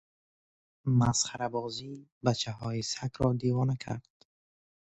مسخرهبازی بچهها سگ را دیوانه کرد.